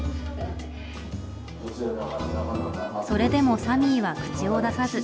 それでもサミーは口を出さず。